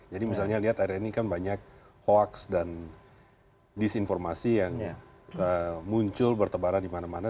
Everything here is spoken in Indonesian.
jadi misalnya lihat hari ini kan banyak hoaks dan disinformasi yang muncul bertebaran dimana mana